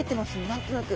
何となく。